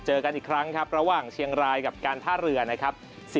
กันอีกครั้งครับระหว่างเชียงรายกับการท่าเรือนะครับ